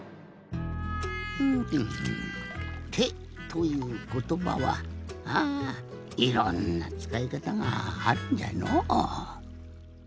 ふむてということばはああいろんなつかいかたがあるんじゃのう。